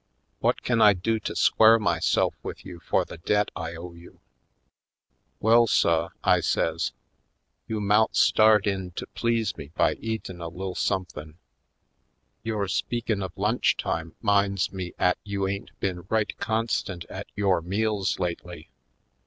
What can I do to square myself with you for the debt J owe you?" Piebald Joys 251 "Well, suh," I says, "you mout start in to please me by eatin' a lil' somethin'. Yore speakin' of lunch time 'minds me 'at you ain't been right constant at yore meals lately.